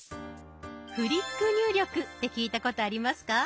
「フリック入力」って聞いたことありますか？